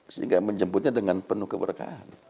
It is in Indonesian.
sehingga menjemputnya dengan penuh keberkahan